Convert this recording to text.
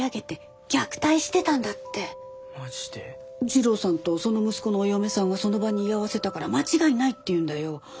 次郎さんとその息子のお嫁さんがその場に居合わせたから間違いないって言うんだよ。